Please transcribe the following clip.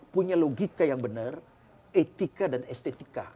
punya logika yang benar etika dan estetika